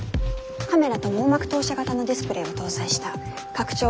カメラと網膜投射型のディスプレーを搭載した拡張